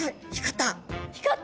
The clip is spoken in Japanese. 光った！